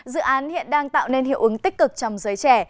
dự án hiện đang tạo nên hiệu ứng tích cực trong giới trẻ